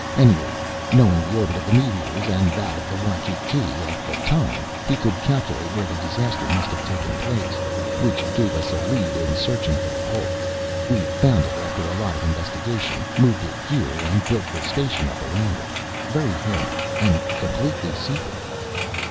Anyway, knowing the orbit of the meteors and that of the Waikiki at the time, he could calculate where the disaster must have taken place which gave us a lead in searching for the hulk. We found it after a lot of investigation, moved it here, and built the station up around it. Very handy. And completely secret."